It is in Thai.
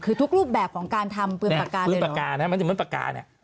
คือทุกรูปแบบของการทำปืนปากกาปืนปากกานะมันจะเหมือนปากกาเนี่ย